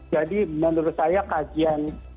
jadi menurut saya kajian